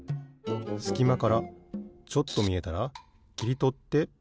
すきまからちょっとみえたらきりとってペタン。